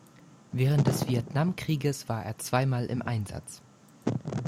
Während des Vietnamkrieges war er zweimal im Einsatz.